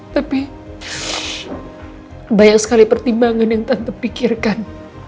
tapi banyak sekali pertimbangan yang tante pikirkan